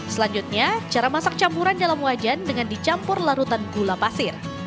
selanjutnya cara masak campuran dalam wajan dengan dicampur larutan gula pasir